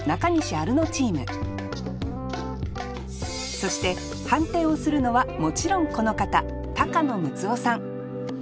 アルノチームそして判定をするのはもちろんこの方高野ムツオさん